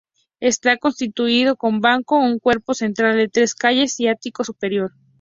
Está constituido con banco, un cuerpo central de tres calles y ático superior.